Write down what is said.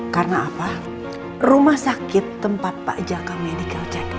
karena apa rumah sakit tempat pak jakart medical check up